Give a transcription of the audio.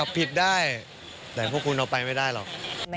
ผิดได้แต่พวกคุณเอาไปไม่ได้หรอก